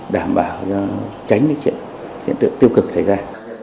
đảm bảo tránh những hiện tượng tiêu cực xảy ra